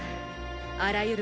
あらゆる